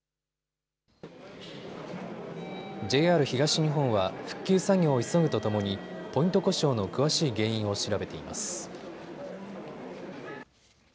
ＪＲ東日本は復旧作業を急ぐとともにポイント故障の詳しい原因を調べています。